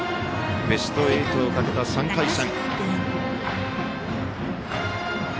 ベスト８をかけた３回戦。